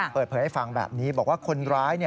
เปิดเผยให้ฟังแบบนี้บอกว่าคนร้าย